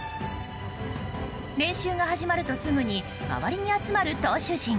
練習が始まると、すぐに周りに集まる投手陣。